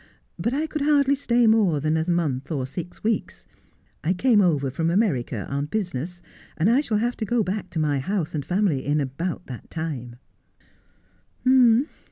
But I could hardly stay more than a month or six weeks. I came over from America on business, and I shall have to go back to my house and family in about that time.'